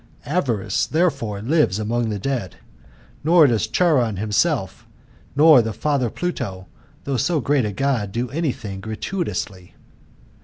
"Avarice, therefore, lives among the dead. Nor does Charon himself, nor the father Pluto, though so great a God, do any thing gratuitously.